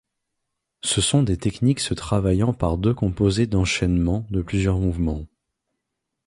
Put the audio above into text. Ce sont des techniques se travaillant par deux composées d'enchainement de plusieurs mouvements.